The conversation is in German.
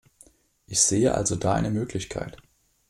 Ich sehe also da eine Möglichkeit.